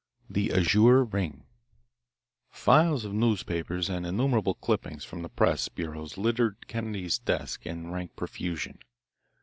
VII. The Azure Ring Files of newspapers and innumerable clippings from the press bureaus littered Kennedy's desk in rank profusion.